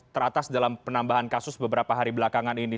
teratas dalam penambahan kasus beberapa hari belakangan ini